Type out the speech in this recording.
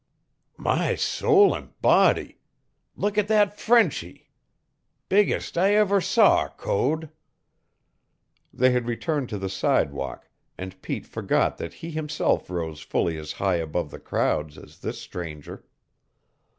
"My soul an' body! Look at that Frenchy. Biggest I ever saw, Code." They had returned to the sidewalk, and Pete forgot that he himself rose fully as high above the crowds as this stranger.